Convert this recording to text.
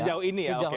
sejauh ini ya